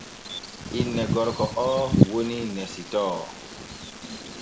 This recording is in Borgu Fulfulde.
Inne gorko oo woni Nesitoo.